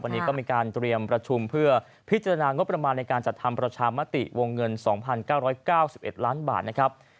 วันนี้ก็มีการเตรียมประชุมเพื่อพิจารณางบประมาณในการจัดทำประชามาติวงเงินสองพันเก้าร้อยเก้าสิบเอ็ดล้านบาทนะครับ